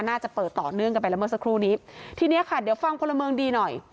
น่าจะเปิดต่อเนื่องกันไปแล้วเมื่อสักครู่นี้ทีเนี้ยค่ะเดี๋ยวฟังพลเมืองดีหน่อย